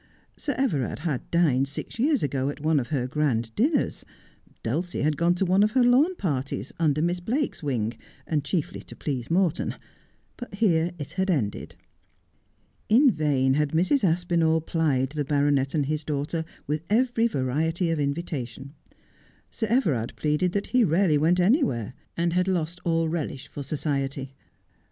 Sir Everard had dined six years ago at one of her grand dinners. Dulcie had gone to one of her lawn parties, under Miss Blake's wing, and chiefly to please Morton ; but here it had ended. In vain had Mrs. Aspinall plied the baronet and his daughter with every variety of invitation. Sir Everard pleaded that he rarely went anywhere, and had lost all relish for society.